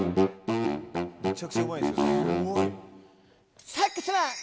めちゃくちゃうまいんですよ。